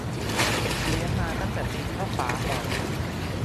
เลี้ยงมาตั้งแต่ตีนเท่าฝาหอย